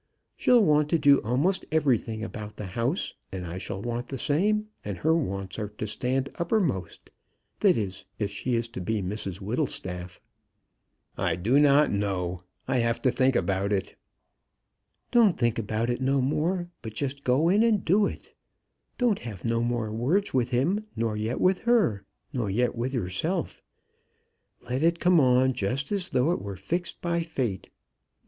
She'll want to do a'most everything about the house, and I shall want the same; and her wants are to stand uppermost, that is, if she is to be Mrs Whittlestaff." "I do not know; I have to think about it." "Don't think about it no more; but just go in and do it. Don't have no more words with him nor yet with her, nor yet with yourself. Let it come on just as though it were fixed by fate.